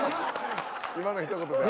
今のひと言が。